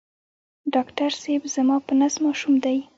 ډاکټر صېب زما په نس ماشوم دی